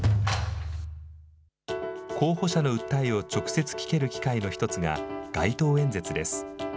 候補者の訴えを直接聞ける機会の一つが、街頭演説です。